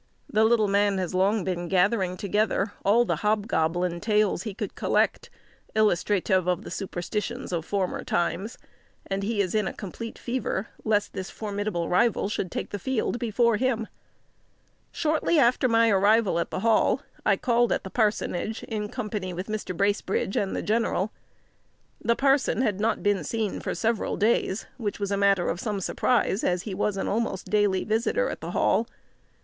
The little man has long been gathering together all the hobgoblin tales he could collect, illustrative of the superstitions of former times; and he is in a complete fever lest this formidable rival should take the field before him. [Illustration: A Bookworm] Shortly after my arrival at the Hall, I called at the parsonage, in company with Mr. Bracebridge and the general. The parson had not been seen for several days, which was a matter of some surprise, as he was an almost daily visitor at the Hall.